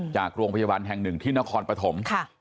จากโรงพยาบาลแห่งหนึ่งที่นครปฐม